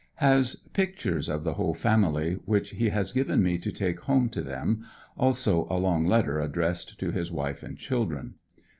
Has pictures of the whole family, which he has given me to take home to them, also a long letter addressed to his wife and children.